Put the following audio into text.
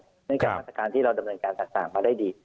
เนื่องจากมาตรการที่เราดำเนินการต่างมาได้ดี